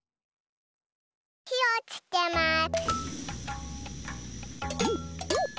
ひをつけます。